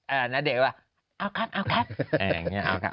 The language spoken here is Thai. แล้วเด็กว่าเอาครับเอาครับ